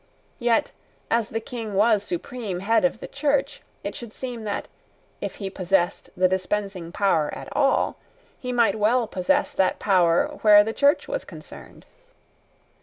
Yet, as the King was supreme head of the Church, it should seem that, if he possessed the dispensing power at all, he might well possess that power where the Church was concerned.